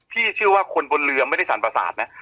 เชื่อว่าคนบนเรือไม่ได้สั่นประสาทนะ